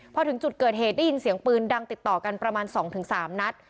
พอถึงจุดเกิดเหตุได้ยินเสียงปืนดังติดต่อกันประมาณ๒๓นัด